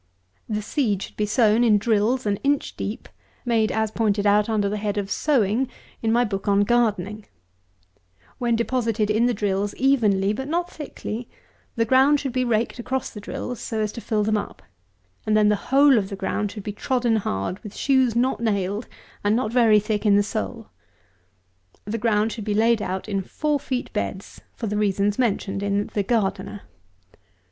The seed should be sown in drills an inch deep, made as pointed out under the head of Sowing in my book on Gardening. When deposited in the drills evenly but not thickly, the ground should be raked across the drills, so as to fill them up; and then the whole of the ground should be trodden hard, with shoes not nailed, and not very thick in the sole. The ground should be laid out in four feet beds for the reasons mentioned in the "Gardener."